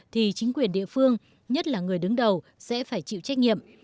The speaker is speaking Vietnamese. thì chính quyền địa phương nhất là người đứng đầu sẽ phải chịu trách nhiệm